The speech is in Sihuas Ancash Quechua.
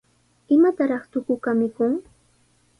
¿Imataraq tukuqa mikun?